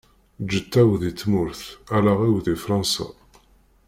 Lǧetta-w di tmurt, allaɣ-iw di Fransa.